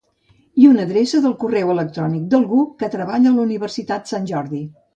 I una adreça de correu electrònic d'algú que treballa a la Universitat Sant Jordi.